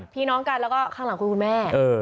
พี่น้องกันแล้วก็ข้างหลังคือคุณแม่